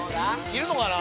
いるのかな？